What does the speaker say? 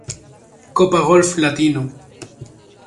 Copa Golf Latino